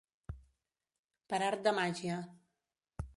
Per art de màgia.